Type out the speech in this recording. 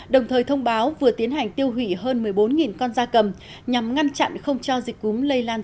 đồng thời thông báo vừa tiến hành tiêu hủy hơn một mươi bốn con da cầm nhằm ngăn chặn không cho dịch cúm lây lan